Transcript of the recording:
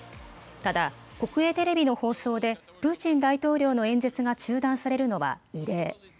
ただ、国営テレビの放送でプーチン大統領の演説が中断されるのは異例。